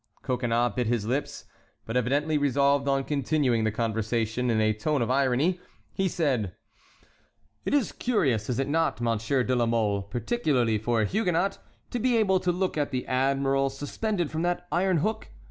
Coconnas bit his lips, but, evidently resolved on continuing the conversation in a tone of irony, he said: "It is curious, is it not, Monsieur de la Mole, particularly for a Huguenot, to be able to look at the admiral suspended from that iron hook?